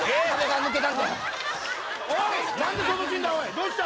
どうした？